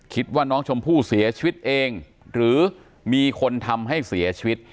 คิดว่าน้องชมพู่เสียชีวิตเองหรือมีคนทำให้เสียชีวิต